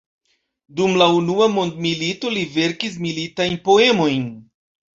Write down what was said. Dum la unua mondmilito li verkis militajn poemojn.